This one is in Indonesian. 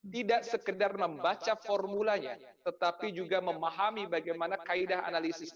tidak sekedar membaca formulanya tetapi juga memahami bagaimana kaedah analisis